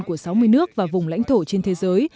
của sáu mươi nước và vùng lãnh thổ trên thế giới